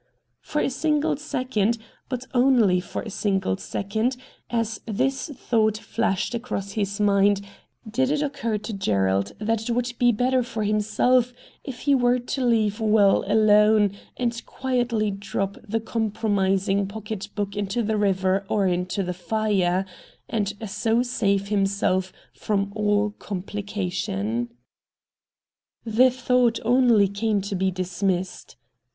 For a single second, but only for a single second, as this thought flashed across his mind, did it occur to Gerald that it would be better for himself if he were to leave * well ' alone and quietly drop the compromis ing pocket book into the river or into the fire, and so save himself from all complication. The thought only came to be dismissed.